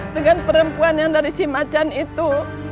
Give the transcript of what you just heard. dengan perempuan yang dari cimacan itu